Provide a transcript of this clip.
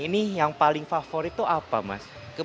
ini yang paling favorit itu apa mas